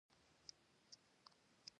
وزې له پسه بېلېږي خو ښې دي